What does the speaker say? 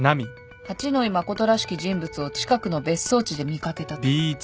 「八野衣真らしき人物を近くの別荘地で見掛けた」と。